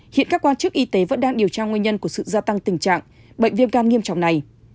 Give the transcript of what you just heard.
hiện các quan chức y tế vẫn đang điều tra nguyên nhân của sự gia tăng tình trạng bệnh viêm gan nghiêm trọng này